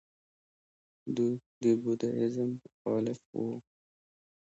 دوی د بودیزم مخالف وو